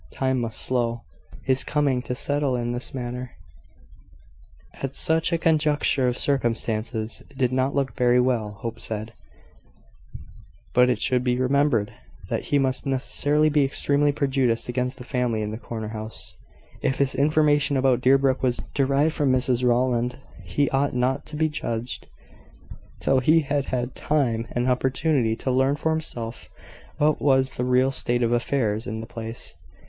Time must show. His coming to settle in this manner, at such a conjuncture of circumstances, did not look very well, Hope said; but it should be remembered that he must necessarily be extremely prejudiced against the family in the corner house, if his information about Deerbrook was derived from Mrs Rowland. He ought not to be judged till he had had time and opportunity to learn for himself what was the real state of affairs in the place.